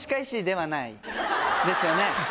ですよね？